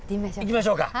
行きましょうか。